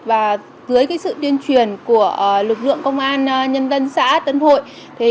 và dưới sự tuyên truyền của lực lượng công an nhân dân xã tân hội